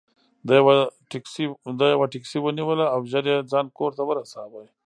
ده یوه ټکسي ونیوله او ژر یې ځان کور ته ورساوه.